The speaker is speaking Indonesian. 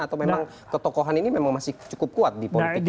atau memang ketokohan ini memang masih cukup kuat di politik ini